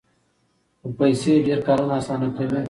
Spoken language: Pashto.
خو پیسې ډېر کارونه اسانه کوي.